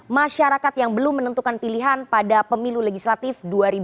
masyarakat yang belum menentukan pilihan pada pemilu legislatif dua ribu dua puluh